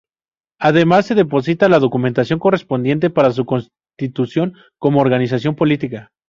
Además se deposita la documentación correspondiente para su constitución como organización política.